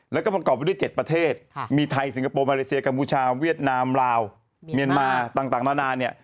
แล้วก็ประกอบไปด้วย๗ประเทศมีไทยสิงคโปร์มาเลเซียกัมพูชาเวียดนามลาวเมียนมาต่างนานาเนี่ย